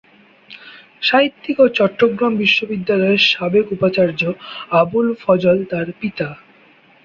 সাহিত্যিক ও চট্টগ্রাম বিশ্ববিদ্যালয়ের সাবেক উপাচার্য আবুল ফজল তার পিতা।